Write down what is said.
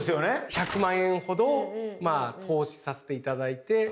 １００万円ほどまあ投資させて頂いて。